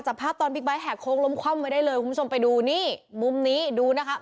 ภาพตอนบิ๊กไบท์แหกโค้งล้มคว่ำไว้ได้เลยคุณผู้ชมไปดูนี่มุมนี้ดูนะคะ